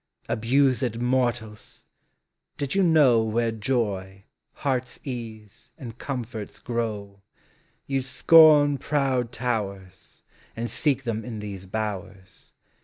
Abused mortals! did you know Where joy, heart's ease, and comforts grow, You 'd scorn proud towers And seek them in these bowers.